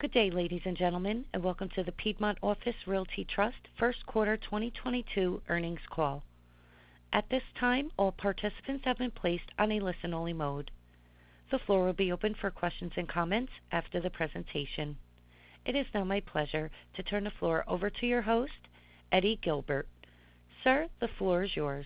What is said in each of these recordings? Good day, ladies and gentlemen, and welcome to the Piedmont Office Realty Trust first quarter 2022 earnings call. At this time, all participants have been placed on a listen-only mode. The floor will be open for questions and comments after the presentation. It is now my pleasure to turn the floor over to your host, Eddie Guilbert. Sir, the floor is yours.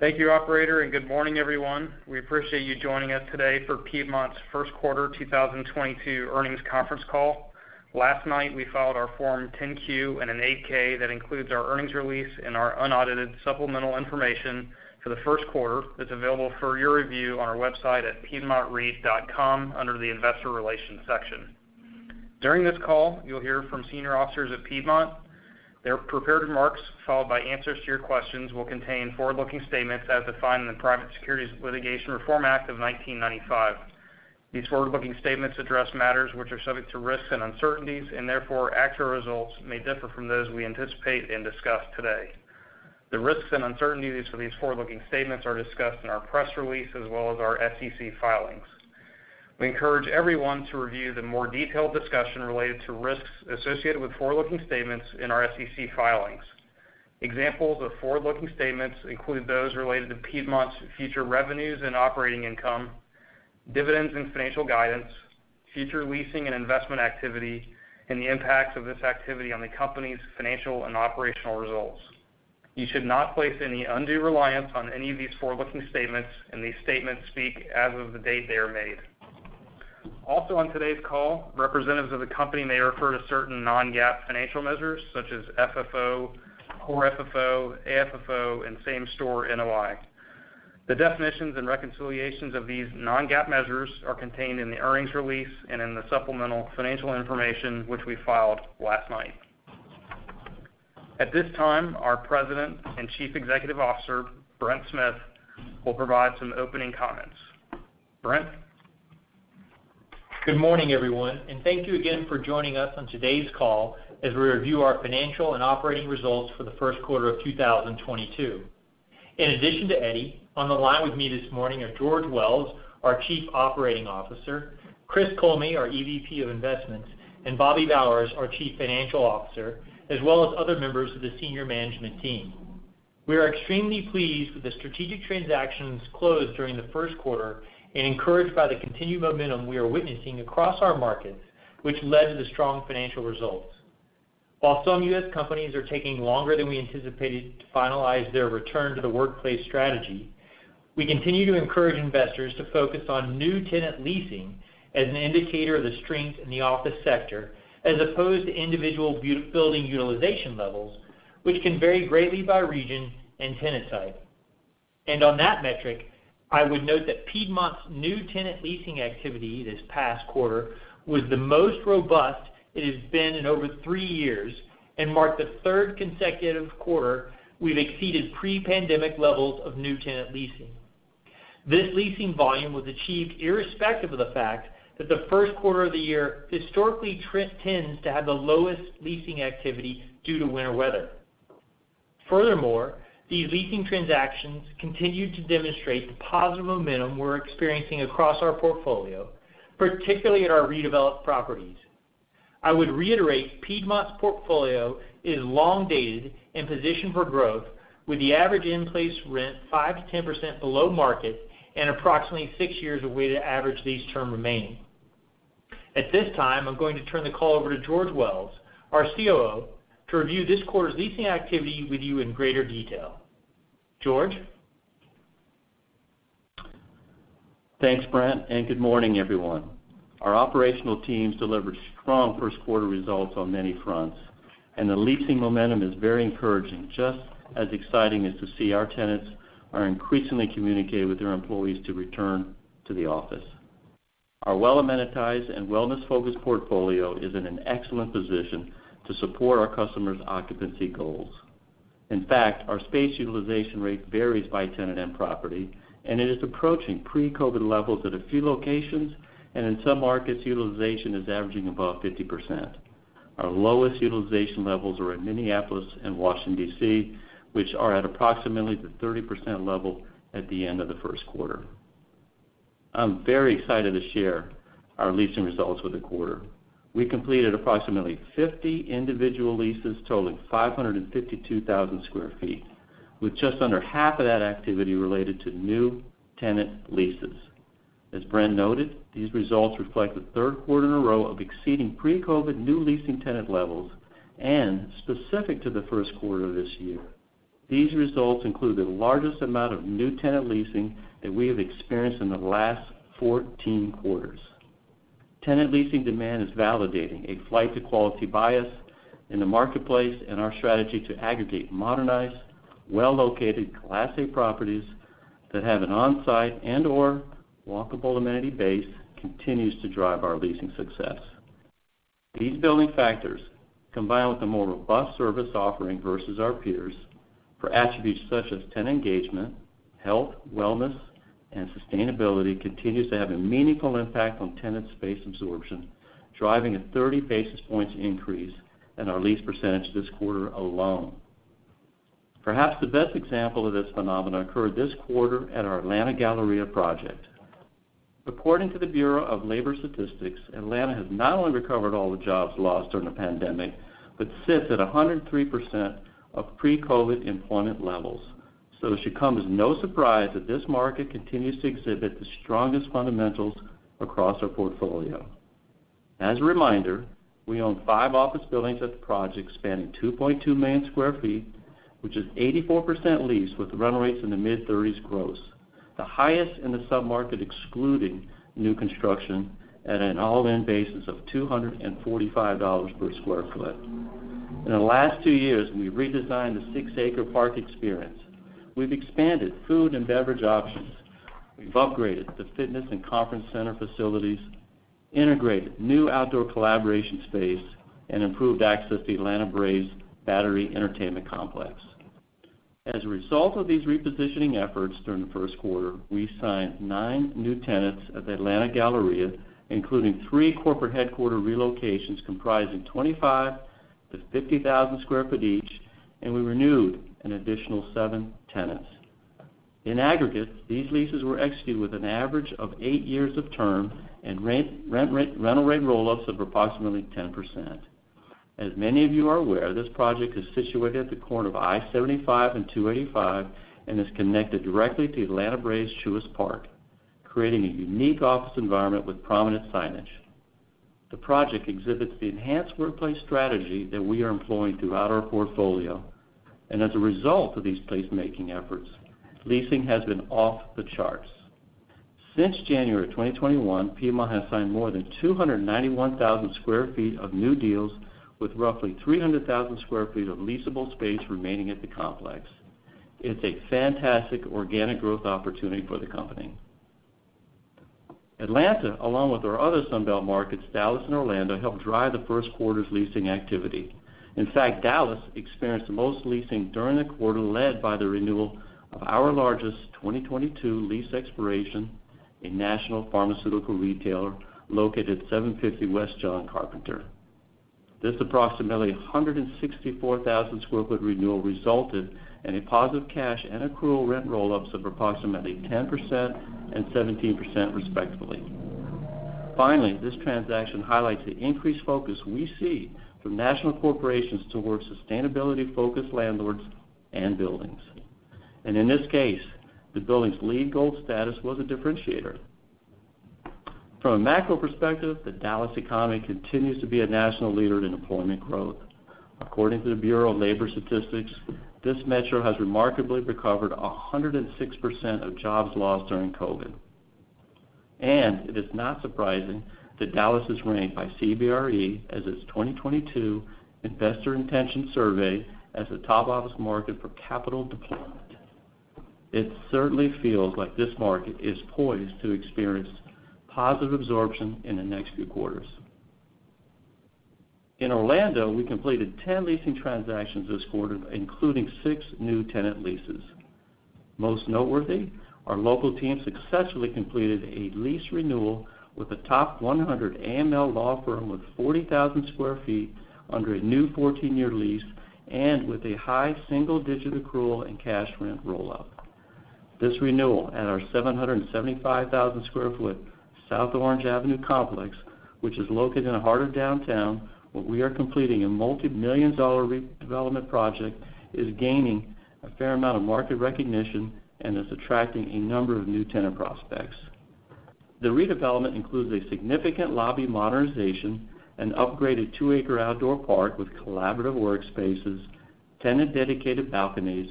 Thank you, operator, and good morning, everyone. We appreciate you joining us today for Piedmont's first quarter 2022 earnings conference call. Last night, we filed our Form 10-Q and an 8-K that includes our earnings release and our unaudited supplemental information for the first quarter that's available for your review on our website at piedmontreit.com under the Investor Relations section. During this call, you'll hear from senior officers at Piedmont. Their prepared remarks, followed by answers to your questions, will contain forward-looking statements as defined in the Private Securities Litigation Reform Act of 1995. These forward-looking statements address matters which are subject to risks and uncertainties, and therefore actual results may differ from those we anticipate and discuss today. The risks and uncertainties for these forward-looking statements are discussed in our press release as well as our SEC filings. We encourage everyone to review the more detailed discussion related to risks associated with forward-looking statements in our SEC filings. Examples of forward-looking statements include those related to Piedmont's future revenues and operating income, dividends and financial guidance, future leasing and investment activity, and the impacts of this activity on the company's financial and operational results. You should not place any undue reliance on any of these forward-looking statements, and these statements speak as of the date they are made. Also on today's call, representatives of the company may refer to certain non-GAAP financial measures such as FFO, core FFO, AFFO and same-store NOI. The definitions and reconciliations of these non-GAAP measures are contained in the earnings release and in the supplemental financial information which we filed last night. At this time, our President and Chief Executive Officer, Brent Smith, will provide some opening comments. Brent? Good morning, everyone, and thank you again for joining us on today's call as we review our financial and operating results for the first quarter of 2022. In addition to Eddie, on the line with me this morning are George Wells, our Chief Operating Officer, Chris Kollme, our EVP of Investments, and Bobby Bowers, our Chief Financial Officer, as well as other members of the senior management team. We are extremely pleased with the strategic transactions closed during the first quarter and encouraged by the continued momentum we are witnessing across our markets, which led to the strong financial results. While some U.S. companies are taking longer than we anticipated to finalize their return to the workplace strategy, we continue to encourage investors to focus on new tenant leasing as an indicator of the strength in the office sector, as opposed to individual building utilization levels, which can vary greatly by region and tenant type. On that metric, I would note that Piedmont's new tenant leasing activity this past quarter was the most robust it has been in over three years and marked the third consecutive quarter we've exceeded pre-pandemic levels of new tenant leasing. This leasing volume was achieved irrespective of the fact that the first quarter of the year historically tends to have the lowest leasing activity due to winter weather. Furthermore, these leasing transactions continued to demonstrate the positive momentum we're experiencing across our portfolio, particularly at our redeveloped properties. I would reiterate Piedmont's portfolio is long dated and positioned for growth, with the average in-place rent 5%-10% below market and approximately six years of weighted average lease term remaining. At this time, I'm going to turn the call over to George Wells, our COO, to review this quarter's leasing activity with you in greater detail. George? Thanks, Brent, and good morning, everyone. Our operational teams delivered strong first quarter results on many fronts, and the leasing momentum is very encouraging. Just as exciting is to see our tenants are increasingly communicating with their employees to return to the office. Our well-amenitized and wellness-focused portfolio is in an excellent position to support our customers' occupancy goals. In fact, our space utilization rate varies by tenant and property, and it is approaching pre-COVID levels at a few locations, and in some markets, utilization is averaging above 50%. Our lowest utilization levels are in Minneapolis and Washington, D.C., which are at approximately the 30% level at the end of the first quarter. I'm very excited to share our leasing results for the quarter. We completed approximately 50 individual leases totaling 552,000 sq ft, with just under half of that activity related to new tenant leases. As Brent noted, these results reflect the third quarter in a row of exceeding pre-COVID new leasing tenant levels. Specific to the first quarter of this year, these results include the largest amount of new tenant leasing that we have experienced in the last 14 quarters. Tenant leasing demand is validating a flight to quality bias in the marketplace, and our strategy to aggregate modernized, well-located Class A properties that have an on-site and/or walkable amenity base continues to drive our leasing success. These building factors, combined with a more robust service offering versus our peers for attributes such as tenant engagement, health, wellness, and sustainability, continues to have a meaningful impact on tenant space absorption, driving a 30 basis points increase in our lease percentage this quarter alone. Perhaps the best example of this phenomenon occurred this quarter at our Atlanta Galleria project. According to the Bureau of Labor Statistics, Atlanta has not only recovered all the jobs lost during the pandemic, but sits at 103% of pre-COVID employment levels. It should come as no surprise that this market continues to exhibit the strongest fundamentals across our portfolio. As a reminder, we own five office buildings at the project spanning 2.2 million sq ft, which is 84% leased with run rates in the mid-30s gross, the highest in the submarket excluding new construction at an all-in basis of $245 per sq ft. In the last two years, we've redesigned the six-acre park experience. We've expanded food and beverage options. We've upgraded the fitness and conference center facilities, integrated new outdoor collaboration space, and improved access to Atlanta Braves' Battery entertainment complex. As a result of these repositioning efforts during the first quarter, we signed nine new tenants at the Atlanta Galleria, including three corporate headquarters relocations comprising 25,000 sq ft-50,000 sq ft each, and we renewed an additional seven tenants. In aggregate, these leases were executed with an average of eight years of term and rental rate roll-ups of approximately 10%. As many of you are aware, this project is situated at the corner of I-75 and I-285 and is connected directly to the Atlanta Braves' Truist Park, creating a unique office environment with prominent signage. The project exhibits the enhanced workplace strategy that we are employing throughout our portfolio. As a result of these place-making efforts, leasing has been off the charts. Since January 2021, Piedmont has signed more than 291,000 sq ft of new deals with roughly 300,000 sq ft of leasable space remaining at the complex. It's a fantastic organic growth opportunity for the company. Atlanta, along with our other Sun Belt markets, Dallas and Orlando, helped drive the first quarter's leasing activity. In fact, Dallas experienced the most leasing during the quarter, led by the renewal of our largest 2022 lease expiration, a national pharmaceutical retailer located at 750 West John Carpenter. This approximately 164,000 sq ft renewal resulted in a positive cash and accrual rent roll-ups of approximately 10% and 17%, respectively. Finally, this transaction highlights the increased focus we see from national corporations towards sustainability-focused landlords and buildings. In this case, the building's LEED Gold status was a differentiator. From a macro perspective, the Dallas economy continues to be a national leader in employment growth. According to the Bureau of Labor Statistics, this metro has remarkably recovered 106% of jobs lost during COVID. It is not surprising that Dallas is ranked by CBRE as its 2022 Investor Intentions Survey as the top office market for capital deployment. It certainly feels like this market is poised to experience positive absorption in the next few quarters. In Orlando, we completed 10 leasing transactions this quarter, including six new tenant leases. Most noteworthy, our local team successfully completed a lease renewal with a top 100 Am Law law firm with 40,000 sq ft under a new 14-year lease and with a high single-digit accrual and cash rent roll-up. This renewal at our 775,000 sq ft South Orange Avenue complex, which is located in the heart of downtown, where we are completing a multi-million-dollar redevelopment project, is gaining a fair amount of market recognition and is attracting a number of new tenant prospects. The redevelopment includes a significant lobby modernization, an upgraded two-acre outdoor park with collaborative workspaces, tenant-dedicated balconies,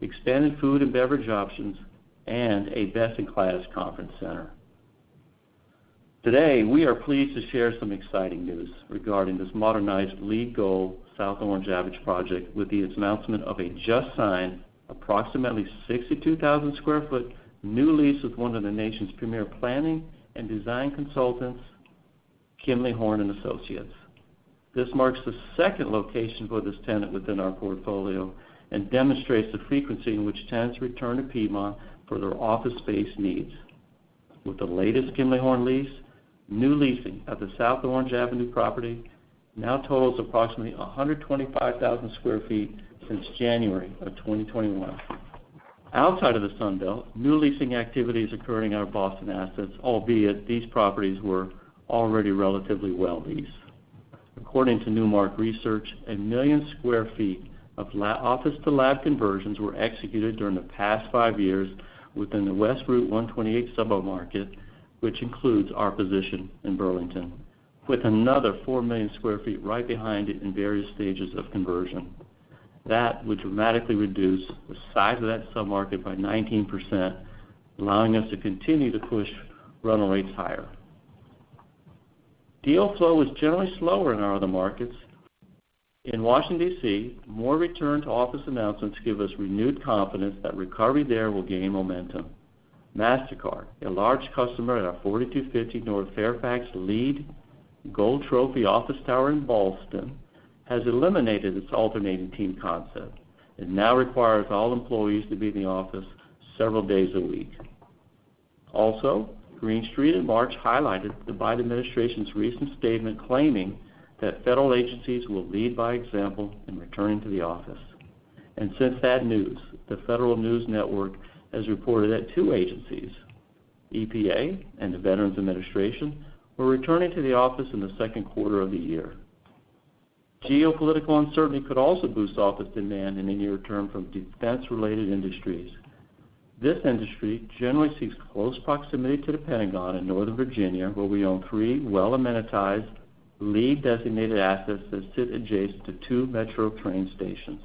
expanded food and beverage options, and a best-in-class conference center. Today, we are pleased to share some exciting news regarding this modernized LEED Gold South Orange Avenue project with the announcement of a just signed approximately 62,000 sq ft new lease with one of the nation's premier planning and design consultants, Kimley-Horn and Associates. This marks the second location for this tenant within our portfolio and demonstrates the frequency in which tenants return to Piedmont for their office space needs. With the latest Kimley-Horn lease, new leasing at the South Orange Avenue property now totals approximately 125,000 sq ft since January 2021. Outside of the Sun Belt, new leasing activity is occurring in our Boston assets, albeit these properties were already relatively well leased. According to Newmark Research, 1 million sq ft of office-to-lab conversions were executed during the past five years within the West Route 128 submarket, which includes our position in Burlington, with another 4 million sq ft right behind it in various stages of conversion. That would dramatically reduce the size of that submarket by 19%, allowing us to continue to push rental rates higher. Deal flow was generally slower in our other markets. In Washington, D.C., more return to office announcements give us renewed confidence that recovery there will gain momentum. Mastercard, a large customer at our 4250 North Fairfax LEED Gold Trophy office tower in Ballston, has eliminated its alternating team concept and now requires all employees to be in the office several days a week. Also, Green Street in March highlighted the Biden administration's recent statement claiming that federal agencies will lead by example in returning to the office. Since that news, the Federal News Network has reported that two agencies, EPA and the Veterans Administration, were returning to the office in the second quarter of the year. Geopolitical uncertainty could also boost office demand in the near term from defense-related industries. This industry generally seeks close proximity to the Pentagon in Northern Virginia, where we own three well-amenitized, LEED-designated assets that sit adjacent to two Metro train stations.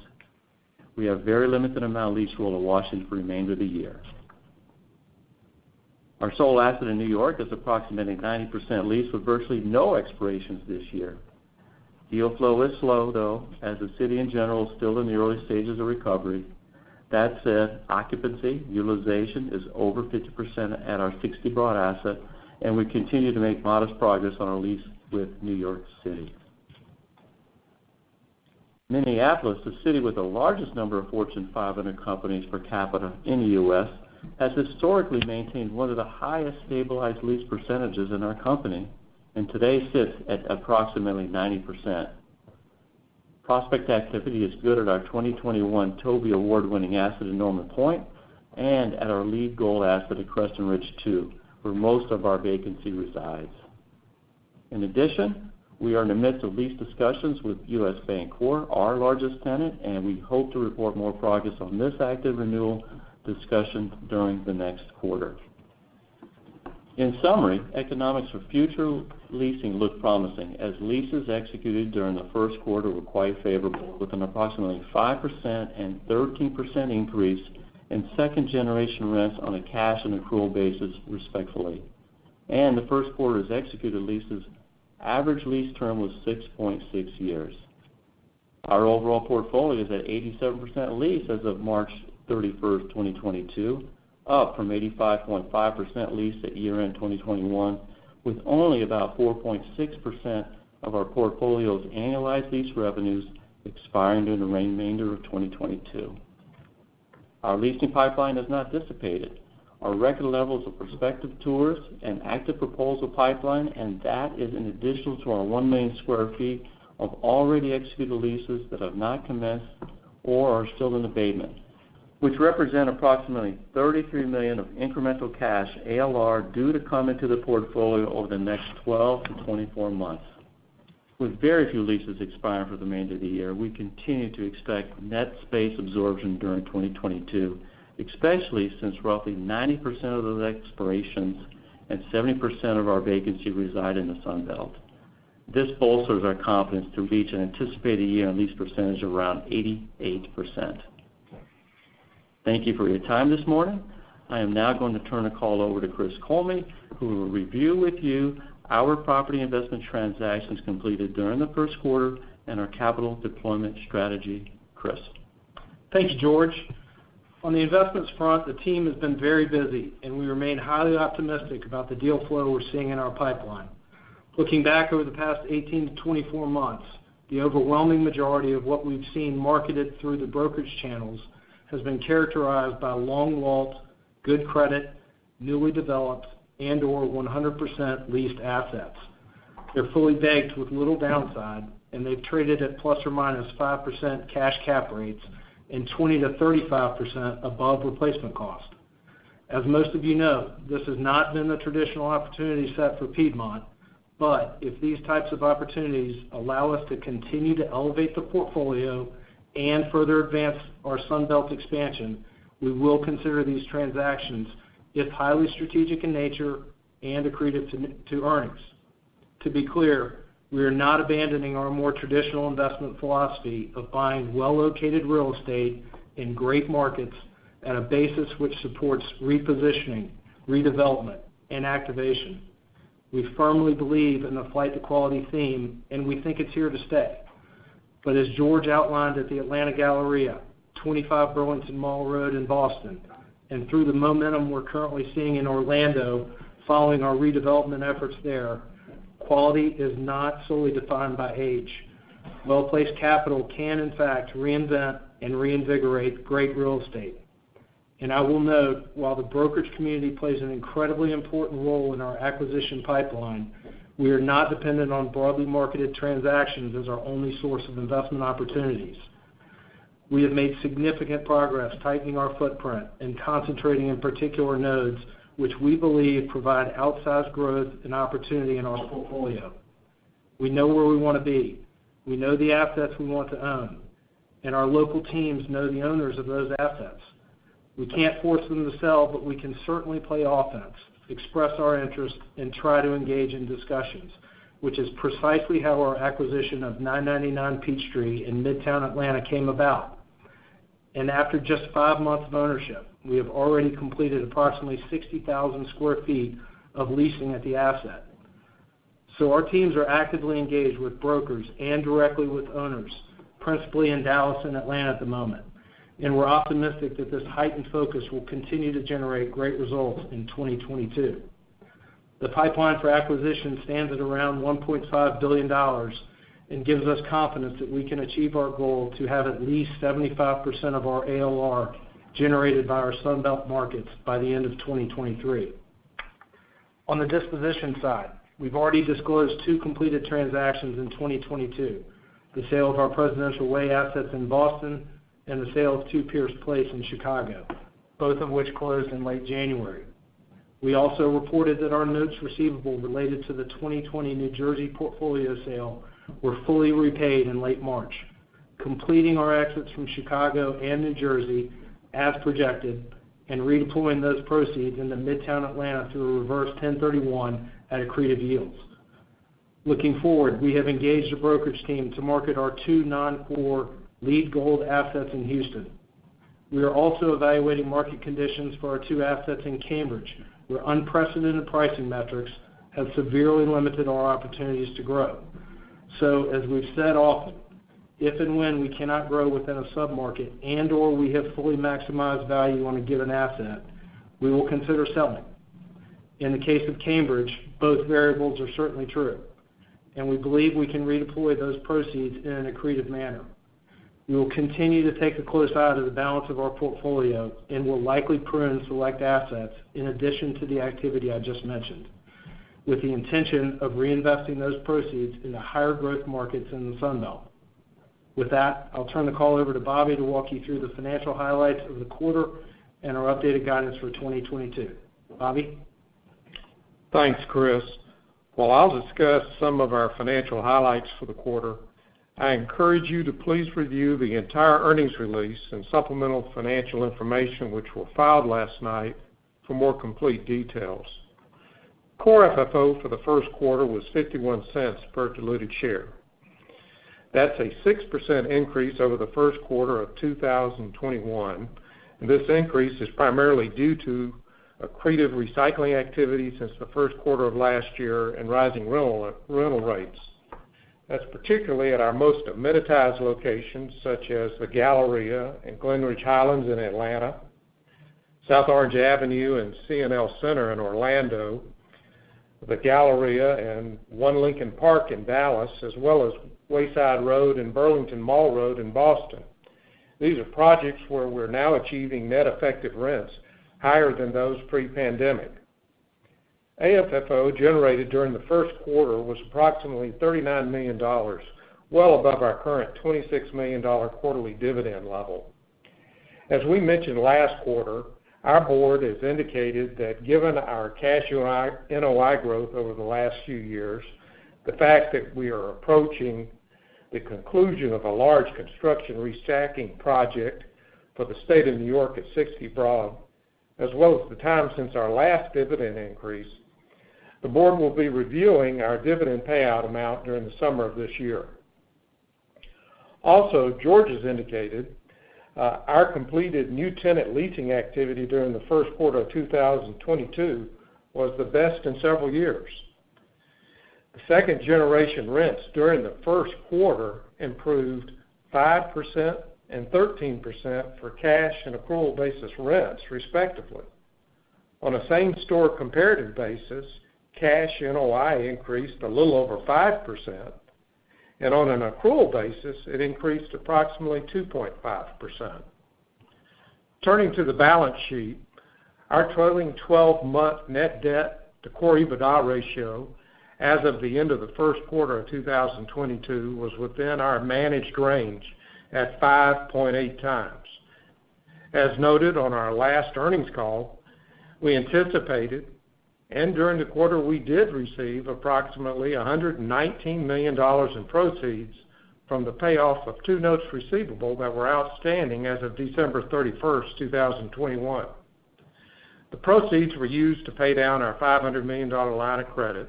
We have very limited amount of lease roll to Washington for the remainder of the year. Our sole asset in New York is approximately 90% leased with virtually no expirations this year. Deal flow is slow, though, as the city in general is still in the early stages of recovery. That said, occupancy utilization is over 50% at our 60 Broad asset, and we continue to make modest progress on our lease with New York City. Minneapolis, the city with the largest number of Fortune 500 companies per capita in the U.S., has historically maintained one of the highest stabilized lease percentages in our company and today sits at approximately 90%. Prospect activity is good at our 2021 TOBY Award-winning asset in Norman Pointe and at our LEED Gold asset at Crescent Ridge II, where most of our vacancy resides. In addition, we are in the midst of lease discussions with U.S. Bancorp, our largest tenant, and we hope to report more progress on this active renewal discussion during the next quarter. In summary, economics for future leasing look promising as leases executed during the first quarter were quite favorable, with an approximately 5% and 13% increase in second-generation rents on a cash and accrual basis, respectively. The first quarter's executed leases average lease term was 6.6 years. Our overall portfolio is at 87% leased as of March 31st, 2022, up from 85.5% leased at year-end 2021, with only about 4.6% of our portfolio's annualized lease revenues expiring during the remainder of 2022. Our leasing pipeline has not dissipated. Our record levels of prospective tours and active proposal pipeline, and that is in addition to our 1 million sq ft of already executed leases that have not commenced or are still in abatement, which represent approximately $33 million of incremental cash ALR due to come into the portfolio over the next 12-24 months. With very few leases expiring for the remainder of the year, we continue to expect net space absorption during 2022, especially since roughly 90% of those expirations and 70% of our vacancy reside in the Sun Belt. This bolsters our confidence to reach an anticipated year-end lease percentage around 88%. Thank you for your time this morning. I am now going to turn the call over to Chris Kollme, who will review with you our property investment transactions completed during the first quarter and our capital deployment strategy. Chris. Thanks, George. On the investments front, the team has been very busy, and we remain highly optimistic about the deal flow we're seeing in our pipeline. Looking back over the past 18-24 months, the overwhelming majority of what we've seen marketed through the brokerage channels has been characterized by long-vault, good credit, newly developed, and or 100% leased assets. They're fully banked with little downside, and they've traded at ±5% cash cap rates and 20%-35% above replacement cost. As most of you know, this has not been the traditional opportunity set for Piedmont, but if these types of opportunities allow us to continue to elevate the portfolio and further advance our Sun Belt expansion, we will consider these transactions if highly strategic in nature and accretive to earnings. To be clear, we are not abandoning our more traditional investment philosophy of buying well-located real estate in great markets at a basis which supports repositioning, redevelopment, and activation. We firmly believe in the flight to quality theme, and we think it's here to stay. As George outlined at the Atlanta Galleria, 25 Burlington Mall Road in Boston, and through the momentum we're currently seeing in Orlando following our redevelopment efforts there, quality is not solely defined by age. Well-placed capital can in fact reinvent and reinvigorate great real estate. I will note, while the brokerage community plays an incredibly important role in our acquisition pipeline, we are not dependent on broadly marketed transactions as our only source of investment opportunities. We have made significant progress tightening our footprint and concentrating in particular nodes which we believe provide outsized growth and opportunity in our portfolio. We know where we want to be, we know the assets we want to own, and our local teams know the owners of those assets. We can't force them to sell, but we can certainly play offense, express our interest, and try to engage in discussions, which is precisely how our acquisition of 999 Peachtree in Midtown Atlanta came about. After just five months of ownership, we have already completed approximately 60,000 sq ft of leasing at the asset. Our teams are actively engaged with brokers and directly with owners, principally in Dallas and Atlanta at the moment. We're optimistic that this heightened focus will continue to generate great results in 2022. The pipeline for acquisition stands at around $1.5 billion and gives us confidence that we can achieve our goal to have at least 75% of our AOR generated by our Sunbelt markets by the end of 2023. On the disposition side, we've already disclosed 2 completed transactions in 2022, the sale of our Presidential Way assets in Boston and the sale of Two Pierce Place in Chicago, both of which closed in late January. We also reported that our notes receivable related to the 2020 New Jersey portfolio sale were fully repaid in late March, completing our exits from Chicago and New Jersey as projected and redeploying those proceeds into midtown Atlanta through a reverse 1031 at accretive yields. Looking forward, we have engaged a brokerage team to market our two non-core LEED Gold assets in Houston. We are also evaluating market conditions for our two assets in Cambridge, where unprecedented pricing metrics have severely limited our opportunities to grow. As we've said often, if and when we cannot grow within a sub-market and/or we have fully maximized value on a given asset, we will consider selling. In the case of Cambridge, both variables are certainly true, and we believe we can redeploy those proceeds in an accretive manner. We will continue to keep a close eye to the balance of our portfolio and will likely prune select assets in addition to the activity I just mentioned, with the intention of reinvesting those proceeds into higher growth markets in the Sunbelt. With that, I'll turn the call over to Bobby to walk you through the financial highlights of the quarter and our updated guidance for 2022. Bobby? Thanks, Chris. While I'll discuss some of our financial highlights for the quarter, I encourage you to please review the entire earnings release and supplemental financial information which were filed last night for more complete details. Core FFO for the first quarter was $0.51 per diluted share. That's a 6% increase over the first quarter of 2021, and this increase is primarily due to accretive recycling activity since the first quarter of last year and rising rental rates. That's particularly at our most amenitized locations, such as the Galleria in Glenridge Highlands in Atlanta, South Orange Avenue and CNL Center in Orlando, the Galleria and One Lincoln Park in Dallas, as well as Wayside Road and Burlington Mall Road in Boston. These are projects where we're now achieving net effective rents higher than those pre-pandemic. AFFO generated during the first quarter was approximately $39 million, well above our current $26 million quarterly dividend level. As we mentioned last quarter, our board has indicated that given our cash NOI growth over the last few years, the fact that we are approaching the conclusion of a large construction restacking project for the state of New York at Sixty Broad, as well as the time since our last dividend increase, the board will be reviewing our dividend payout amount during the summer of this year. Also, George has indicated, our completed new tenant leasing activity during the first quarter of 2022 was the best in several years. The second generation rents during the first quarter improved 5% and 13% for cash and accrual basis rents, respectively. On a same-store comparative basis, cash NOI increased a little over 5%, and on an accrual basis, it increased approximately 2.5%. Turning to the balance sheet, our trailing twelve-month net debt to core EBITDA ratio as of the end of the first quarter of 2022 was within our managed range at 5.8x. As noted on our last earnings call, we anticipated, and during the quarter, we did receive approximately $119 million in proceeds from the payoff of two notes receivable that were outstanding as of December 31st, 2021. The proceeds were used to pay down our $500 million line of credit.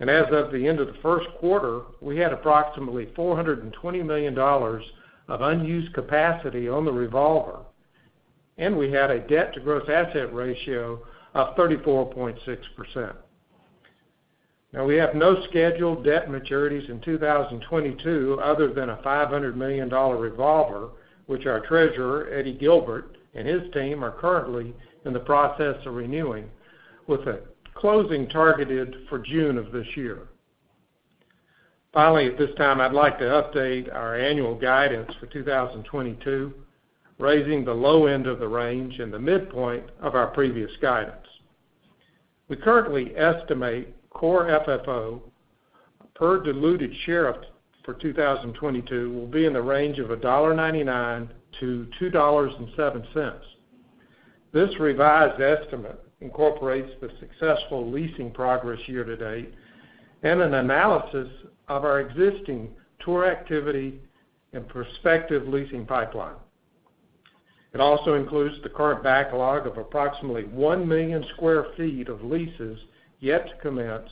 As of the end of the first quarter, we had approximately $420 million of unused capacity on the revolver, and we had a debt to gross asset ratio of 34.6%. Now, we have no scheduled debt maturities in 2022 other than a $500 million revolver, which our treasurer, Eddie Guilbert, and his team are currently in the process of renewing, with a closing targeted for June of this year. Finally, at this time, I'd like to update our annual guidance for 2022, raising the low end of the range and the midpoint of our previous guidance. We currently estimate core FFO per diluted share for 2022 will be in the range of $1.99-$2.07. This revised estimate incorporates the successful leasing progress year-to-date and an analysis of our existing tour activity and prospective leasing pipeline. It also includes the current backlog of approximately 1 million sq ft of leases yet to commence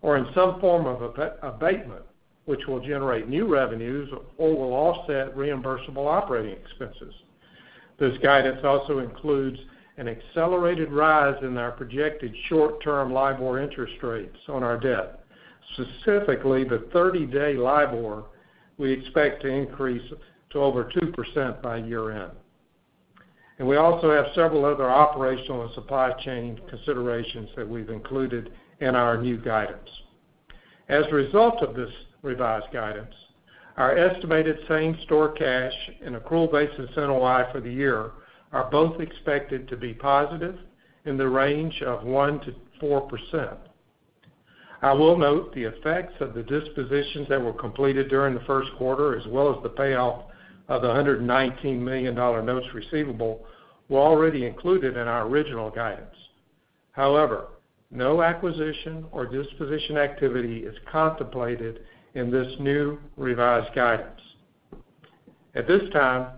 or in some form of abatement, which will generate new revenues or will offset reimbursable operating expenses. This guidance also includes an accelerated rise in our projected short-term LIBOR interest rates on our debt. Specifically, the 30-day LIBOR we expect to increase to over 2% by year-end. We also have several other operational and supply chain considerations that we've included in our new guidance. As a result of this revised guidance, our estimated same-store cash and accrual-based NOI for the year are both expected to be positive in the range of 1%-4%. I will note the effects of the dispositions that were completed during the first quarter, as well as the payoff of the $119 million notes receivable were already included in our original guidance. However, no acquisition or disposition activity is contemplated in this new revised guidance. At this time,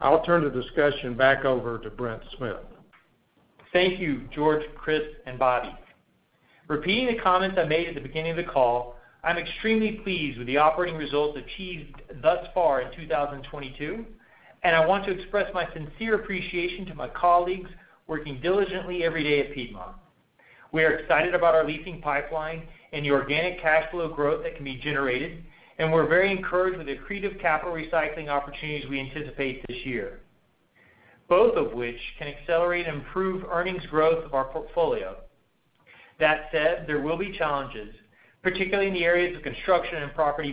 I'll turn the discussion back over to Brent Smith. Thank you, George, Chris and Bobby. Repeating the comments I made at the beginning of the call, I'm extremely pleased with the operating results achieved thus far in 2022, and I want to express my sincere appreciation to my colleagues working diligently every day at Piedmont. We are excited about our leasing pipeline and the organic cash flow growth that can be generated, and we're very encouraged with the accretive capital recycling opportunities we anticipate this year, both of which can accelerate and improve earnings growth of our portfolio. That said, there will be challenges, particularly in the areas of construction and property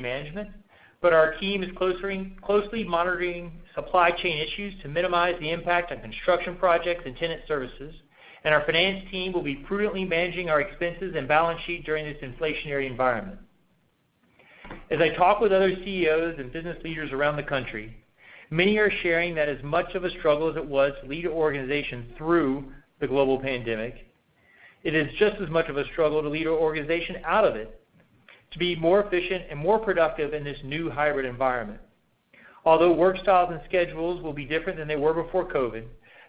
management, but our team is closely monitoring supply chain issues to minimize the impact on construction projects and tenant services. Our finance team will be prudently managing our expenses and balance sheet during this inflationary environment. As I talk with other CEOs and business leaders around the country, many are sharing that as much of a struggle as it was to lead an organization through the global pandemic, it is just as much of a struggle to lead our organization out of it to be more efficient and more productive in this new hybrid environment. Although work styles and schedules will be different than they were before COVID,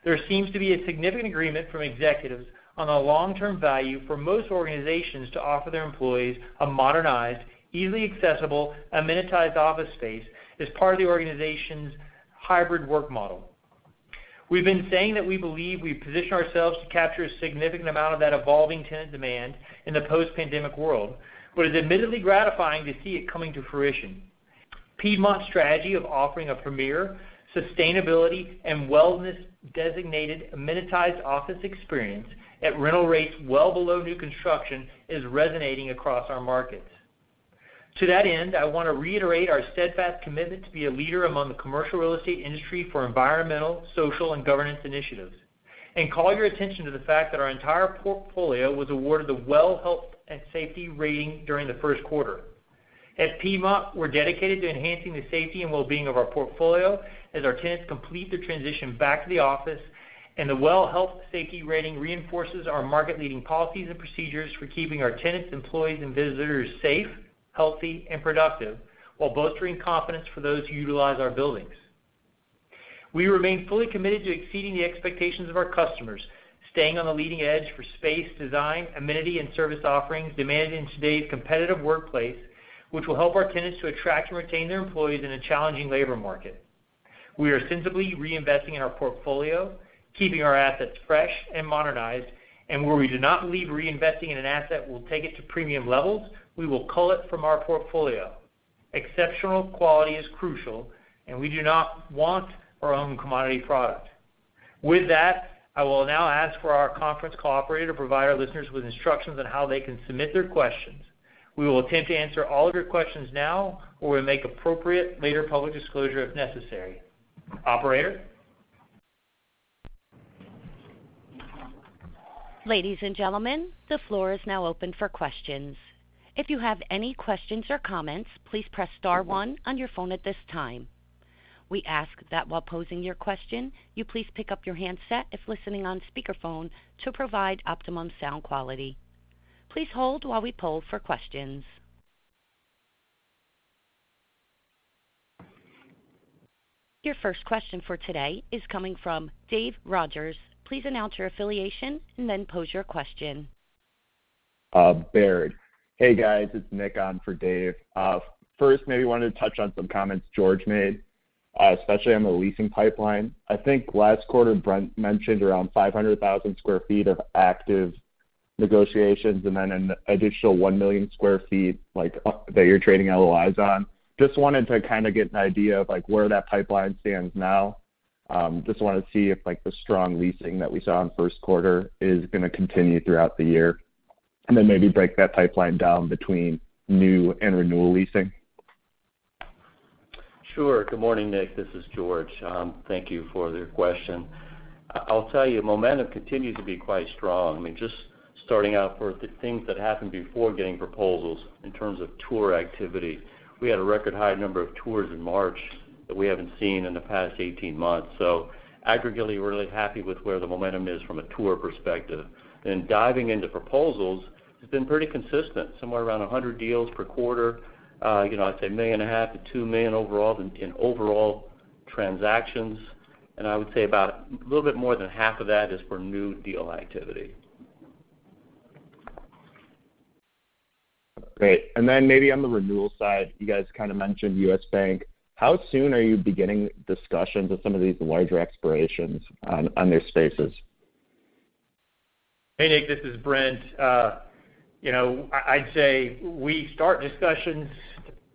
there seems to be a significant agreement from executives on the long-term value for most organizations to offer their employees a modernized, easily accessible, amenitized office space as part of the organization's hybrid work model. We've been saying that we believe we position ourselves to capture a significant amount of that evolving tenant demand in the post-pandemic world, but it's admittedly gratifying to see it coming to fruition. Piedmont's strategy of offering a premier sustainability and wellness designated amenitized office experience at rental rates well below new construction is resonating across our markets. To that end, I want to reiterate our steadfast commitment to be a leader among the commercial real estate industry for environmental, social, and governance initiatives, and call your attention to the fact that our entire portfolio was awarded the WELL Health-Safety Rating during the first quarter. At Piedmont, we're dedicated to enhancing the safety and well-being of our portfolio as our tenants complete their transition back to the office, and the WELL Health-Safety Rating reinforces our market-leading policies and procedures for keeping our tenants, employees and visitors safe, healthy and productive, while bolstering confidence for those who utilize our buildings. We remain fully committed to exceeding the expectations of our customers, staying on the leading edge for space, design, amenity and service offerings demanded in today's competitive workplace, which will help our tenants to attract and retain their employees in a challenging labor market. We are sensibly reinvesting in our portfolio, keeping our assets fresh and modernized. Where we do not believe reinvesting in an asset will take it to premium levels, we will cull it from our portfolio. Exceptional quality is crucial, and we do not want our own commodity product. With that, I will now ask for our conference call operator to provide our listeners with instructions on how they can submit their questions. We will attempt to answer all of your questions now, or we'll make appropriate later public disclosure if necessary. Operator? Ladies and gentlemen, the floor is now open for questions. If you have any questions or comments, please press star one on your phone at this time. We ask that while posing your question, you please pick up your handset if listening on speakerphone to provide optimum sound quality. Please hold while we poll for questions. Your first question for today is coming from Dave Rodgers. Please announce your affiliation and then pose your question. Baird. Hey, guys, it's Nick on for Dave. First, maybe wanted to touch on some comments George made, especially on the leasing pipeline. I think last quarter, Brent mentioned around 500,000 sq ft of active negotiations and then an additional 1,000,000 sq ft like that you're trading LOIs on. Just wanted to kind of get an idea of like where that pipeline stands now. Just want to see if like the strong leasing that we saw in first quarter is gonna continue throughout the year. Then maybe break that pipeline down between new and renewal leasing. Sure. Good morning, Nick. This is George. Thank you for the question. I'll tell you, momentum continues to be quite strong. I mean, just starting out for the things that happened before getting proposals in terms of tour activity. We had a record high number of tours in March that we haven't seen in the past 18 months. Aggregately, we're really happy with where the momentum is from a tour perspective. Diving into proposals, it's been pretty consistent, somewhere around 100 deals per quarter, you know, I'd say $1.5 million-$2 million overall in overall transactions. I would say about a little bit more than half of that is for new deal activity. Great. Maybe on the renewal side, you guys kind of mentioned US Bank. How soon are you beginning discussions with some of these larger expirations on their spaces? Hey, Nick, this is Brent. You know, I'd say we start discussions,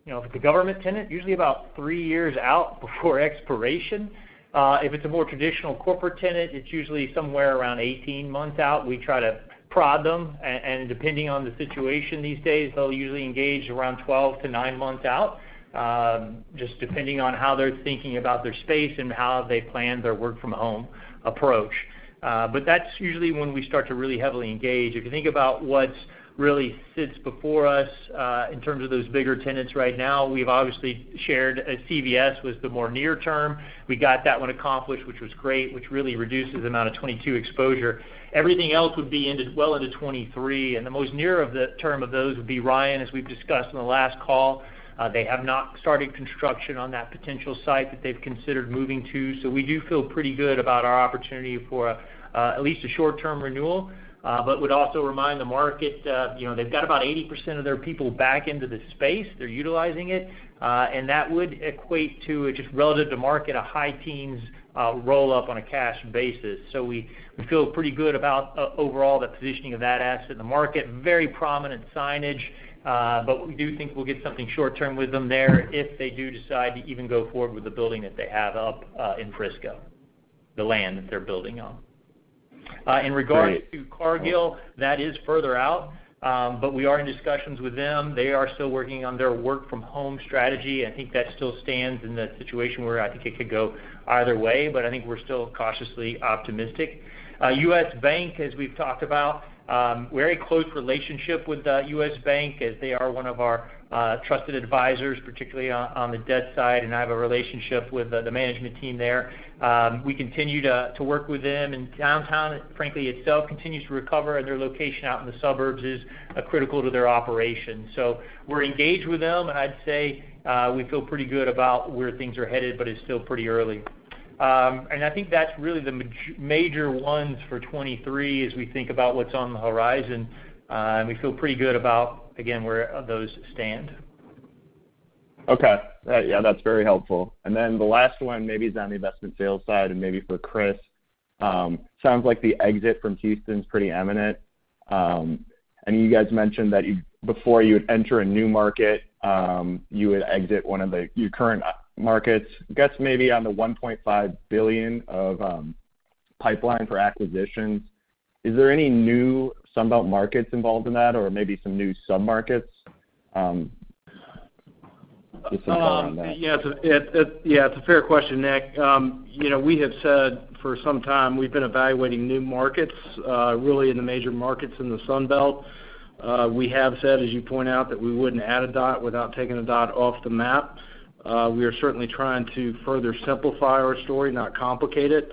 you know, with the government tenant, usually about three years out before expiration. If it's a more traditional corporate tenant, it's usually somewhere around 18 months out. We try to prod them, and depending on the situation these days, they'll usually engage around 12-9 months out, just depending on how they're thinking about their space and how they plan their work from home approach, but that's usually when we start to really heavily engage. If you think about what really sits before us, in terms of those bigger tenants right now, we've obviously shared, CVS was the more near term. We got that one accomplished, which was great, which really reduces the amount of 2022 exposure. Everything else would be into. Well into 2023, and the most near of the term of those would be Ryan, as we've discussed on the last call. They have not started construction on that potential site that they've considered moving to. So we do feel pretty good about our opportunity for at least a short-term renewal, but would also remind the market, you know, they've got about 80% of their people back into the space. They're utilizing it, and that would equate to just relative to market, a high teens% roll-up on a cash basis. So we feel pretty good about overall the positioning of that asset in the market. Very prominent signage, but we do think we'll get something short-term with them there if they do decide to even go forward with the building that they have up, in Frisco, the land that they're building on. Great. In regards to Cargill, that is further out, but we are in discussions with them. They are still working on their work from home strategy. I think that still stands in the situation where I think it could go either way, but I think we're still cautiously optimistic. US Bank, as we've talked about, very close relationship with US Bank as they are one of our trusted advisors, particularly on the debt side, and I have a relationship with the management team there. We continue to work with them, and Downtown, frankly, itself continues to recover, and their location out in the suburbs is critical to their operations. We're engaged with them, and I'd say we feel pretty good about where things are headed, but it's still pretty early. I think that's really the major ones for 2023 as we think about what's on the horizon. We feel pretty good about, again, where those stand. Okay. Yeah, that's very helpful. The last one maybe is on the investment sales side and maybe for Chris. Sounds like the exit from Houston is pretty imminent. I know you guys mentioned that before you would enter a new market, you would exit one of your current markets. Guess maybe on the $1.5 billion of pipeline for acquisitions, is there any new Sunbelt markets involved in that or maybe some new sub-markets, just to follow on that? Yes, it's a fair question, Nick. You know, we have said for some time we've been evaluating new markets, really in the major markets in the Sun Belt. We have said, as you point out, that we wouldn't add a dot without taking a dot off the map. We are certainly trying to further simplify our story, not complicate it.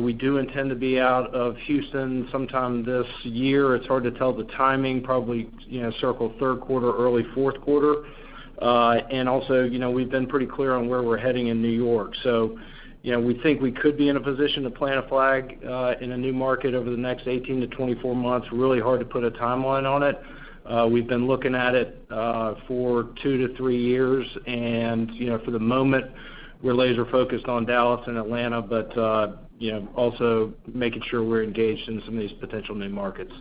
We do intend to be out of Houston sometime this year. It's hard to tell the timing, probably, you know, circa third quarter, early fourth quarter, and also, you know, we've been pretty clear on where we're heading in New York. You know, we think we could be in a position to plant a flag in a new market over the next 18-24 months. Really hard to put a timeline on it. We've been looking at it for 2-3 years. You know, for the moment, we're laser-focused on Dallas and Atlanta, but you know, also making sure we're engaged in some of these potential new markets.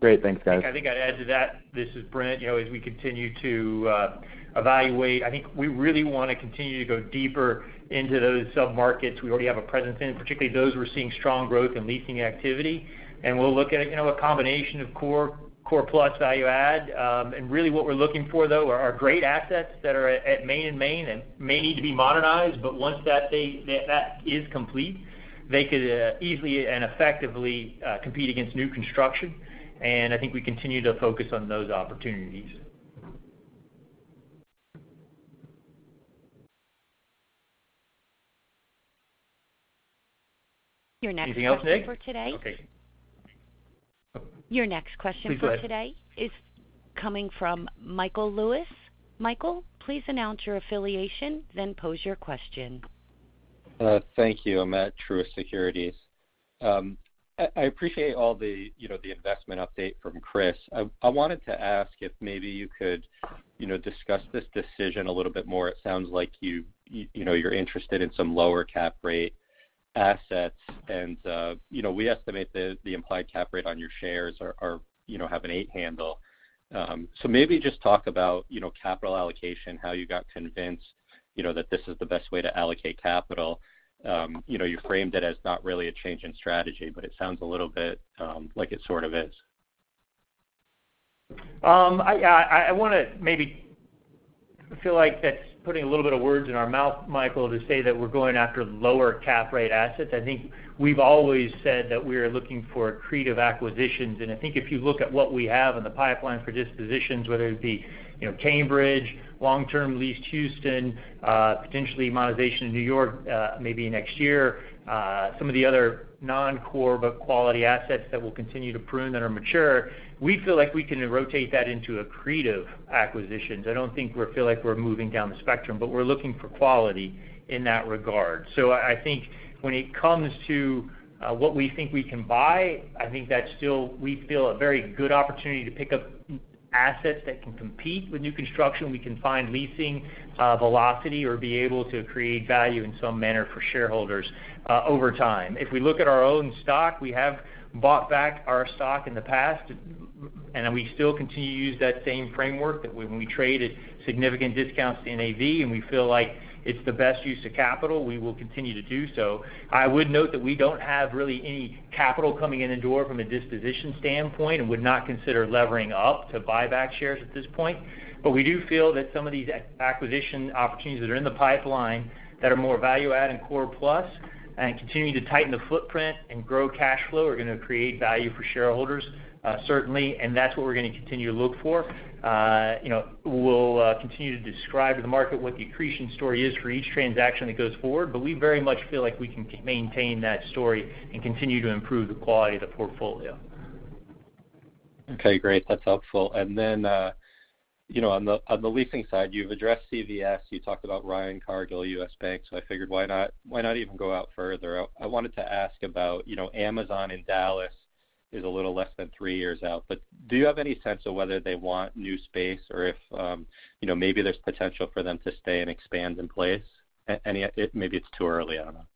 Great. Thanks, guys. I think I'd add to that, this is Brent. You know, as we continue to evaluate, I think we really wanna continue to go deeper into those sub-markets we already have a presence in, particularly those who are seeing strong growth and leasing activity. We'll look at, you know, a combination of core plus value add. Really what we're looking for, though, are great assets that are at Main and Main and may need to be modernized. Once that is complete, they could easily and effectively compete against new construction. I think we continue to focus on those opportunities. Your next question for today. Anything else, Nick? Okay. Your next question for today. Please go ahead. Is coming from Michael Lewis. Michael, please announce your affiliation, then pose your question. Thank you. I'm at Truist Securities. I appreciate all the, you know, the investment update from Chris. I wanted to ask if maybe you could, you know, discuss this decision a little bit more. It sounds like you know, you're interested in some lower cap rate assets. You know, we estimate the implied cap rate on your shares are, you know, have an eight handle. So maybe just talk about, you know, capital allocation, how you got convinced, you know, that this is the best way to allocate capital. You know, you framed it as not really a change in strategy, but it sounds a little bit like it sort of is. I feel like that's putting a little bit of words in our mouth, Michael, to say that we're going after lower cap rate assets. I think we've always said that we are looking for accretive acquisitions. I think if you look at what we have in the pipeline for dispositions, whether it be, you know, Cambridge, long-term lease Houston, potentially monetization in New York, maybe next year, some of the other non-core but quality assets that we'll continue to prune that are mature, we feel like we can rotate that into accretive acquisitions. I don't think we feel like we're moving down the spectrum, but we're looking for quality in that regard. I think when it comes to what we think we can buy, I think that's still we feel a very good opportunity to pick up assets that can compete with new construction. We can find leasing velocity or be able to create value in some manner for shareholders over time. If we look at our own stock, we have bought back our stock in the past, and we still continue to use that same framework that when we trade at significant discounts to NAV and we feel like it's the best use of capital, we will continue to do so. I would note that we don't have really any capital coming in the door from a disposition standpoint and would not consider levering up to buy back shares at this point. We do feel that some of these acquisition opportunities that are in the pipeline that are more value add and core plus and continue to tighten the footprint and grow cash flow are gonna create value for shareholders, certainly, and that's what we're gonna continue to look for. You know, we'll continue to describe to the market what the accretion story is for each transaction that goes forward, but we very much feel like we can maintain that story and continue to improve the quality of the portfolio. Okay, great. That's helpful. You know, on the leasing side, you've addressed CVS, you talked about Ryan, Cargill, US Bank, so I figured why not even go out further out? I wanted to ask about, you know, Amazon in Dallas is a little less than three years out. Do you have any sense of whether they want new space or if, you know, maybe there's potential for them to stay and expand in place? Maybe it's too early. I don't know.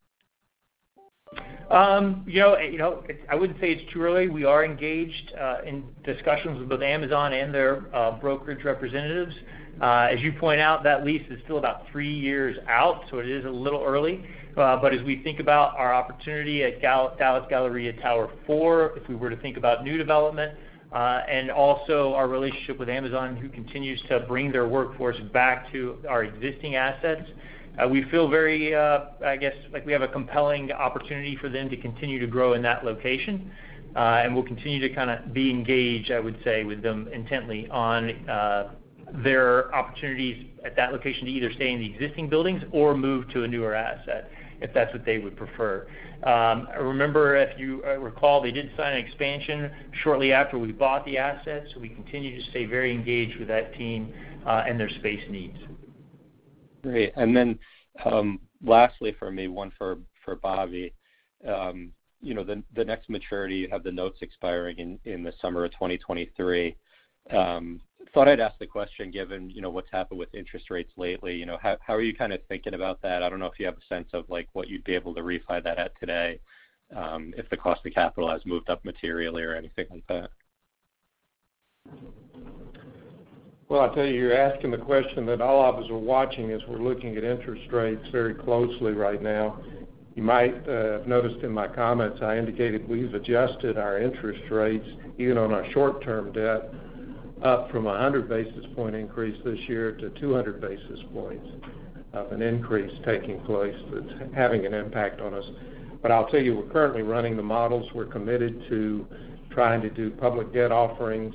You know, I wouldn't say it's too early. We are engaged in discussions with both Amazon and their brokerage representatives. As you point out, that lease is still about three years out, so it is a little early, but as we think about our opportunity at Dallas Galleria Tower IV, if we were to think about new development and also our relationship with Amazon, who continues to bring their workforce back to our existing assets, we feel very, I guess, like we have a compelling opportunity for them to continue to grow in that location. We'll continue to kind of be engaged, I would say, with them intently on their opportunities at that location to either stay in the existing buildings or move to a newer asset if that's what they would prefer. Remember, if you recall, they did sign an expansion shortly after we bought the asset, so we continue to stay very engaged with that team, and their space needs. Great. Lastly for me, one for Bobby. You know the next maturity. You have the notes expiring in the summer of 2023. Thought I'd ask the question given you know what's happened with interest rates lately. You know, how are you kind of thinking about that? I don't know if you have a sense of like what you'd be able to refi that at today, if the cost of capital has moved up materially or anything like that. Well, I'll tell you're asking the question that all of us are watching as we're looking at interest rates very closely right now. You might have noticed in my comments, I indicated we've adjusted our interest rates even on our short-term debt up from a 100 basis point increase this year to 200 basis points of an increase taking place that's having an impact on us, but I'll tell you, we're currently running the models. We're committed to trying to do public debt offerings.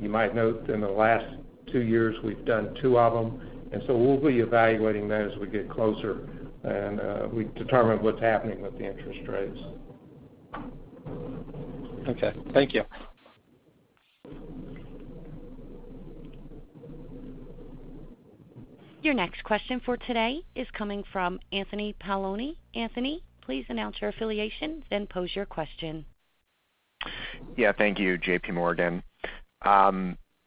You might note in the last two years, we've done two of them. We'll be evaluating those as we get closer, and we determine what's happening with the interest rates. Okay. Thank you. Your next question for today is coming from Anthony Paolone. Anthony, please announce your affiliation, then pose your question. Yeah. Thank you, JPMorgan.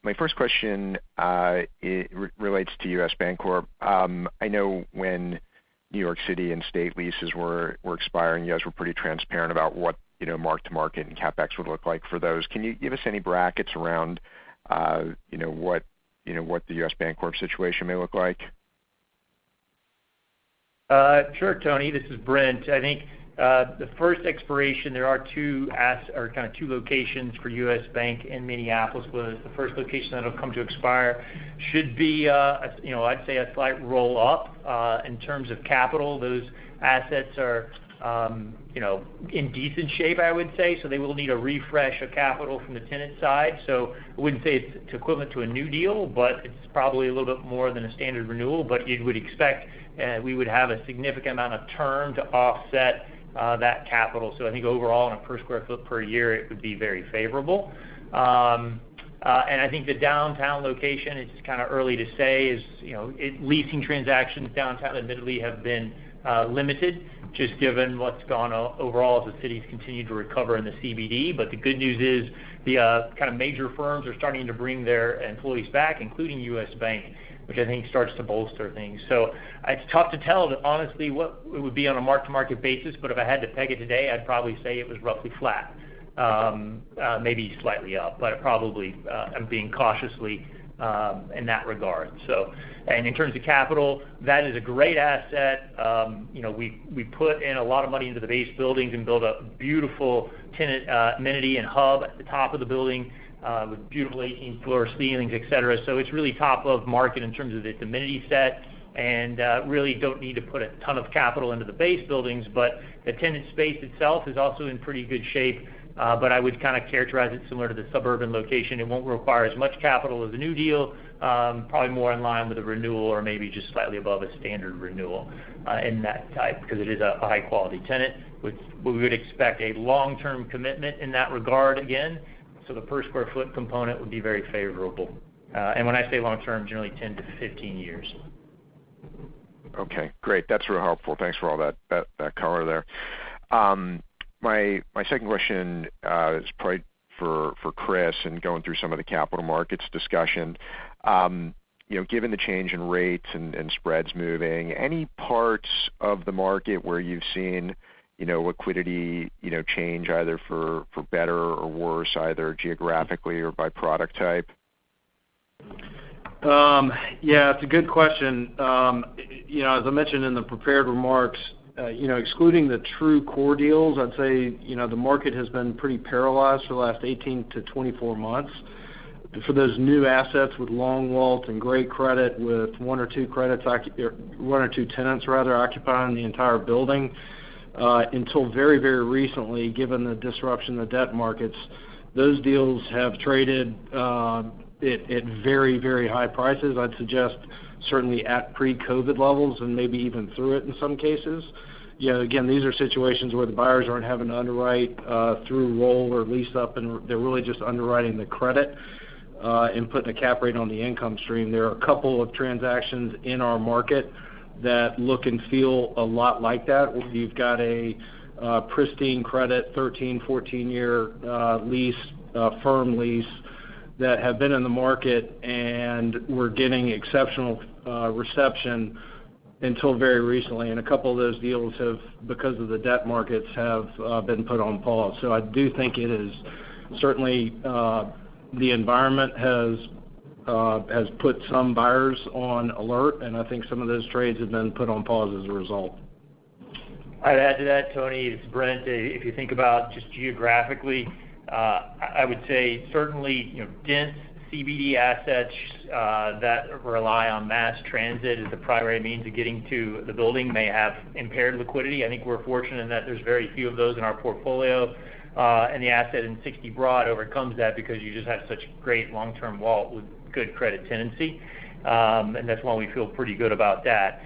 My first question relates to US Bancorp. I know when New York City and state leases were expiring, you guys were pretty transparent about what, you know, mark-to-market and CapEx would look like for those. Can you give us any brackets around, you know, what the US Bancorp situation may look like? Sure, Tony. This is Brent. I think the first expiration, there are two or kind of two locations for US Bank in Minneapolis, but the first location that'll come to expire should be, you know, I'd say a slight roll-up. In terms of capital, those assets are, you know, in decent shape, I would say. They will need a refresh of capital from the tenant side. I wouldn't say it's equivalent to a new deal, but it's probably a little bit more than a standard renewal. You would expect we would have a significant amount of term to offset that capital. I think overall on a per square foot per year, it would be very favorable. I think the downtown location, it's kind of early to say you know leasing transactions downtown admittedly have been limited just given what's gone overall as the city's continued to recover in the CBD. The good news is the kind of major firms are starting to bring their employees back, including US Bank, which I think starts to bolster things. It's tough to tell honestly what it would be on a mark-to-market basis, but if I had to peg it today, I'd probably say it was roughly flat, maybe slightly up, but probably, I'm being cautious in that regard. In terms of capital, that is a great asset. You know, we put in a lot of money into the base buildings and built a beautiful tenant amenity and hub at the top of the building, with beautiful 18-foot ceilings, et cetera. It's really top of market in terms of its amenity set, and really don't need to put a ton of capital into the base buildings. The tenant space itself is also in pretty good shape, but I would kind of characterize it similar to the suburban location. It won't require as much capital as a new deal, probably more in line with a renewal or maybe just slightly above a standard renewal, in that type because it is a high-quality tenant, which we would expect a long-term commitment in that regard again. The per square foot component would be very favorable. When I say long-term, generally 10-15 years. Okay, great. That's real helpful. Thanks for all that color there. My second question is probably for Chris and going through some of the capital markets discussion. You know, given the change in rates and spreads moving, any parts of the market where you've seen you know, liquidity you know, change either for better or worse, either geographically or by product type? Yeah, it's a good question. You know, as I mentioned in the prepared remarks, you know, excluding the true core deals, I'd say, you know, the market has been pretty paralyzed for the last 18-24 months. For those new assets with long WALs and great credit, with one or two credits or one or two tenants, rather, occupying the entire building, until very, very recently, given the disruption in the debt markets, those deals have traded at very, very high prices. I'd suggest certainly at pre-COVID levels and maybe even through it in some cases. You know, again, these are situations where the buyers aren't having to underwrite through rollover or lease-up, and they're really just underwriting the credit and putting a cap rate on the income stream. There are a couple of transactions in our market that look and feel a lot like that, where you've got a pristine credit, 13, 14-year firm lease that have been in the market and were getting exceptional reception until very recently. A couple of those deals have, because of the debt markets, been put on pause. I do think it is certainly the environment has put some buyers on alert, and I think some of those trades have been put on pause as a result. I'd add to that, Tony. It's Brent. If you think about just geographically, I would say certainly, you know, dense CBD assets that rely on mass transit as the primary means of getting to the building may have impaired liquidity. I think we're fortunate in that there's very few of those in our portfolio. The asset in 60 Broad overcomes that because you just have such great long-term walkability with good credit tenancy. That's why we feel pretty good about that.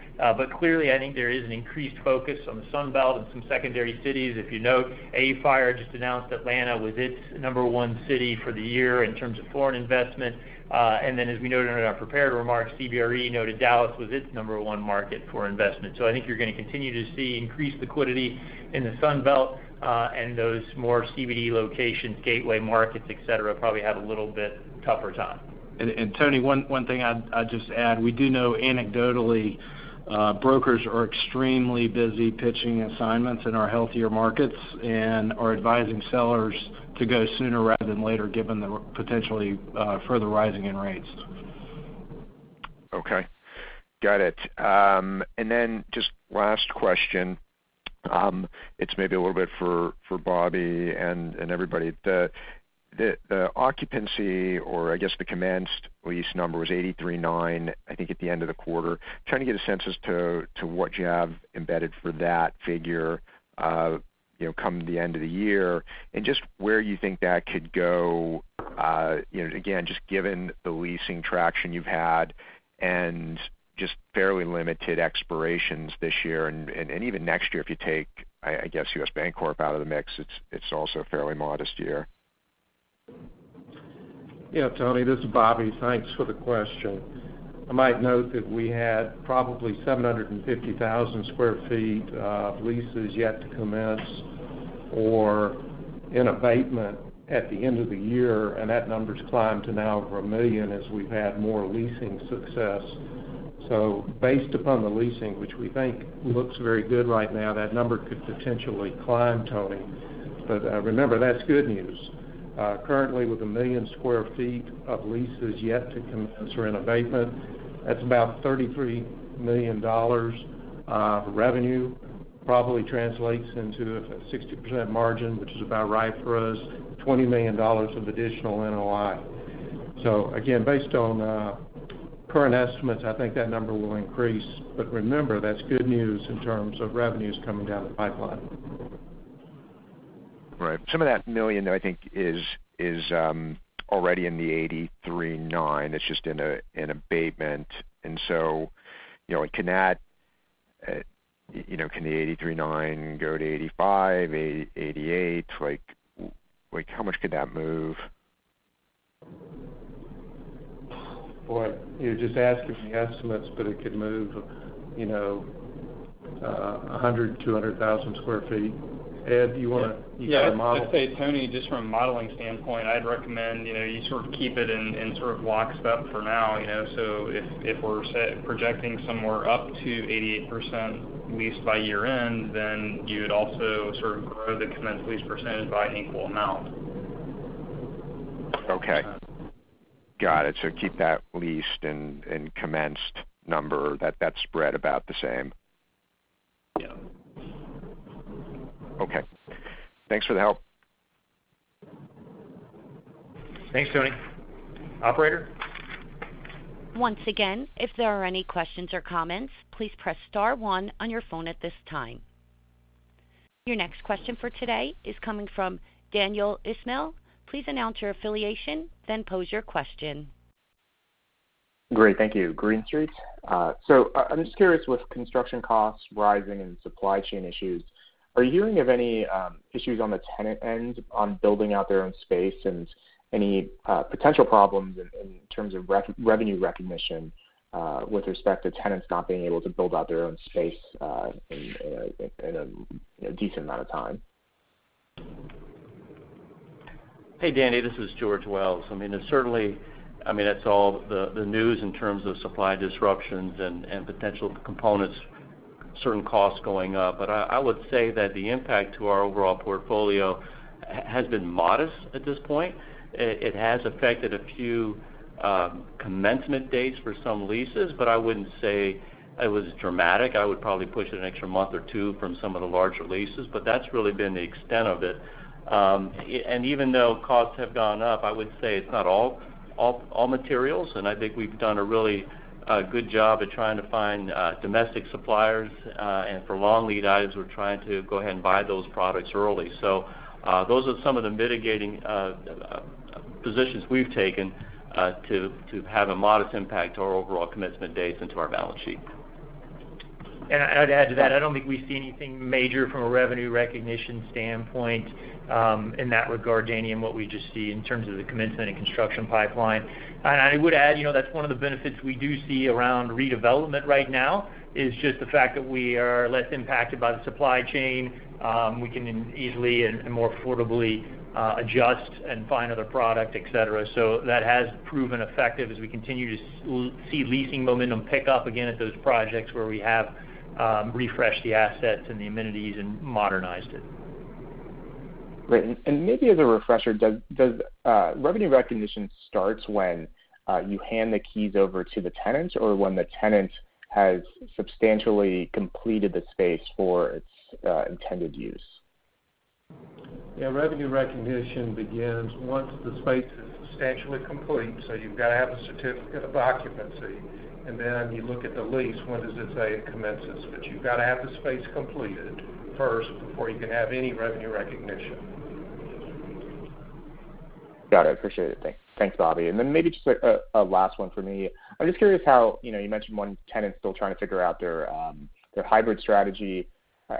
Clearly, I think there is an increased focus on the Sun Belt and some secondary cities. If you note, AFIRE just announced Atlanta was its number one city for the year in terms of foreign investment. Then as we noted in our prepared remarks, CBRE noted Dallas was its number one market for investment. I think you're gonna continue to see increased liquidity in the Sun Belt, and those more CBD locations, gateway markets, et cetera, probably have a little bit tougher time. Tony, one thing I'd just add, we do know anecdotally, brokers are extremely busy pitching assignments in our healthier markets and are advising sellers to go sooner rather than later, given the potentially further rising in rates. Okay. Got it. Then just last question. It's maybe a little bit for Bobby and everybody. The occupancy or I guess the commenced lease number was 83.9%, I think, at the end of the quarter. Trying to get a sense as to what you have embedded for that figure, you know, come the end of the year and just where you think that could go, you know, again, just given the leasing traction you've had and just fairly limited expirations this year and even next year, if you take, I guess, US Bancorp out of the mix, it's also a fairly modest year. Yeah, Tony, this is Bobby. Thanks for the question. I might note that we had probably 750,000 sq ft of leases yet to commence or in abatement at the end of the year, and that number's climbed to now over 1 million as we've had more leasing success. Based upon the leasing, which we think looks very good right now, that number could potentially climb, Tony, but remember, that's good news. Currently with 1 million sq ft of leases yet to commence or in abatement, that's about $33 million of revenue, probably translates into a 60% margin, which is about right for us, $20 million of additional NOI. Again, based on current estimates, I think that number will increase, but remember, that's good news in terms of revenues coming down the pipeline. Right. Some of that $1 million, though, I think is already in the 83.9%. It's just in abatement. You know, can the 83.9% go to 85%, 88%? Like how much could that move? Boy, you're just asking me estimates, but it could move, you know, 100,000 sq ft-200,000 sq ft. Ed, do you wanna- Yeah. You can model. I'd say, Tony, just from a modeling standpoint, I'd recommend, you know, you sort of keep it in sort of locked up for now, you know? If we're projecting somewhere up to 88% leased by year-end, then you would also sort of grow the commenced lease percentage by an equal amount. Okay. Got it. Keep that leased and commenced number, that spread about the same. Yeah. Okay. Thanks for the help. Thanks, Tony. Operator? Once again, if there are any questions or comments, please press star one on your phone at this time. Your next question for today is coming from Daniel Ismail. Please announce your affiliation, then pose your question. Great. Thank you. Green Street. I'm just curious, with construction costs rising and supply chain issues, are you hearing of any issues on the tenant end on building out their own space and any potential problems in terms of revenue recognition with respect to tenants not being able to build out their own space in a decent amount of time? Hey, Daniel, this is George Wells. I mean, it's certainly. I mean, that's all the news in terms of supply disruptions and potential components, certain costs going up. I would say that the impact to our overall portfolio has been modest at this point. It has affected a few commencement dates for some leases, but I wouldn't say it was dramatic. I would probably push it an extra month or two from some of the larger leases, but that's really been the extent of it, and even though costs have gone up, I would say it's not all materials, and I think we've done a really good job at trying to find domestic suppliers, and for long lead items, we're trying to go ahead and buy those products early. Those are some of the mitigating positions we've taken to have a modest impact to our overall commitment dates and to our balance sheet. I'd add to that, I don't think we see anything major from a revenue recognition standpoint, in that regard, Danny. What we just see in terms of the commencement and construction pipeline. I would add, you know, that's one of the benefits we do see around redevelopment right now, is just the fact that we are less impacted by the supply chain. We can easily and more affordably adjust and find other product, et cetera. That has proven effective as we continue to see leasing momentum pick up again at those projects where we have refreshed the assets and the amenities and modernized it. Great. Maybe as a refresher, does revenue recognition starts when you hand the keys over to the tenants or when the tenant has substantially completed the space for its intended use? Yeah. Revenue recognition begins once the space is substantially complete, so you've gotta have a certificate of occupancy. You look at the lease, when does it say it commences? You've gotta have the space completed first before you can have any revenue recognition. Got it. Appreciate it. Thanks, Bobby. Maybe just like a last one for me. I'm just curious how, you know, you mentioned one tenant still trying to figure out their hybrid strategy.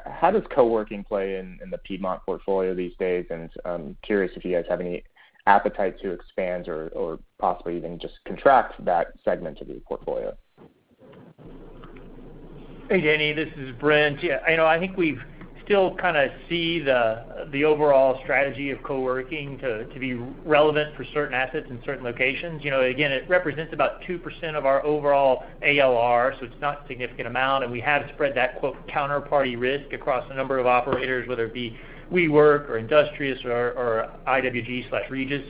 How does co-working play in the Piedmont portfolio these days? I'm curious if you guys have any appetite to expand or possibly even just contract that segment of your portfolio. Hey, Danny, this is Brent. Yeah, I know, I think we've still kinda see the overall strategy of coworking to be relevant for certain assets in certain locations. You know, again, it represents about 2% of our overall ALR, so it's not significant amount. We have spread that quoted counterparty risk across a number of operators, whether it be WeWork or Industrious or IWG/Regus.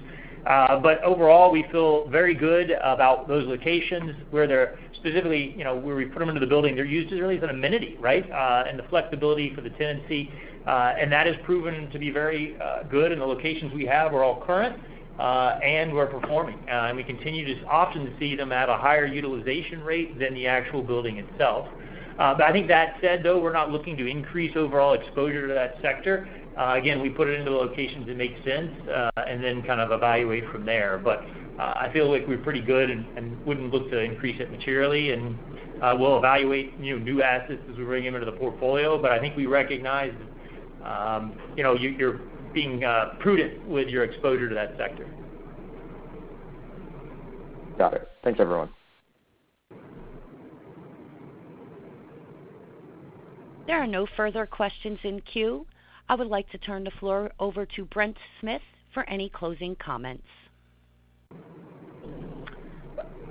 Overall, we feel very good about those locations where they're specifically, you know, where we put them into the building. They're used really as an amenity, right? The flexibility for the tenancy and that has proven to be very good. The locations we have are all current and we're performing. We continue to often see them at a higher utilization rate than the actual building itself. I think that said, though, we're not looking to increase overall exposure to that sector. Again, we put it into the locations it makes sense, and then kind of evaluate from there. I feel like we're pretty good and wouldn't look to increase it materially. We'll evaluate, you know, new assets as we bring them into the portfolio. I think we recognize, you know, you're being prudent with your exposure to that sector. Got it. Thanks, everyone. There are no further questions in queue. I would like to turn the floor over to Brent Smith for any closing comments.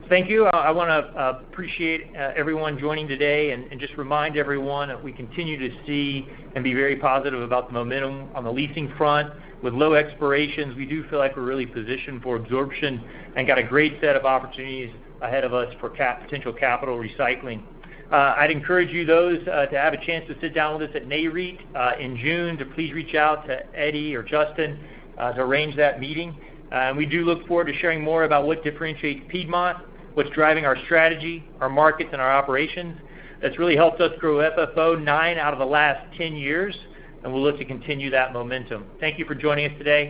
Thank you. I wanna appreciate everyone joining today and just remind everyone that we continue to see and be very positive about the momentum on the leasing front. With low expirations, we do feel like we're really positioned for absorption and got a great set of opportunities ahead of us for potential capital recycling. I'd encourage you those to have a chance to sit down with us at Nareit in June to please reach out to Eddie or Justin to arrange that meeting. We do look forward to sharing more about what differentiates Piedmont, what's driving our strategy, our markets, and our operations. That's really helped us grow FFO nine out of the last 10 years, and we'll look to continue that momentum. Thank you for joining us today.